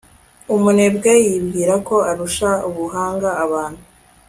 umunebwe yibwira ko arusha ubuhanga abantu